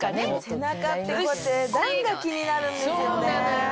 背中ってこうやって段が気になるんですよね。